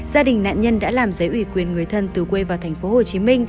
gia đình nạn nhân đã làm giấy ủy quyền người thân từ quê vào tp hcm